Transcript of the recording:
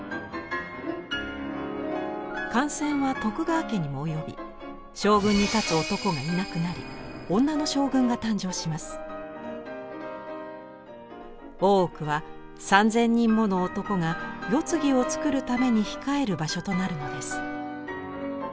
感染は徳川家にも及び将軍に立つ男がいなくなり大奥は３，０００人もの男が世継ぎをつくるために控える場所となるのです。